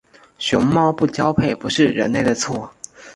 熊猫不交配不是人类的错。